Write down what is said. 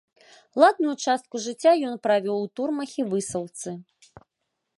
Ладную частку жыцця ён правёў у турмах і высылцы.